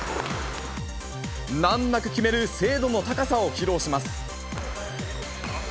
難なく決める精度の高さを披露します。